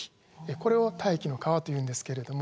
これを大気の河というんですけれども。